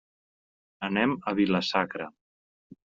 Anem a Vila-sacra.